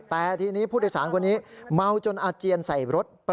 แต่ทีนี้ผู้โดยสารคนนี้เมาจนอาเจียนใส่รถ